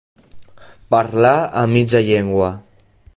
Parlar a mitja llengua.